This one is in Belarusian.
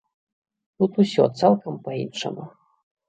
Тут усё цалкам па-іншаму.